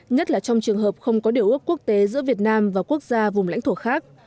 nhất là trong trường hợp không có điều ước quốc tế giữa việt nam và quốc gia vùng lãnh thổ khác